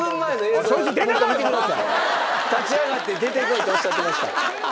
立ち上がって「出てこい！」とおっしゃってました。